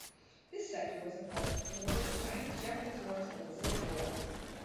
This sector was important from the First Chinese-Japanese war to the Pacific War.